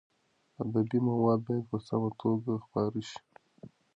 ادبي مواد باید په سمه توګه خپاره شي.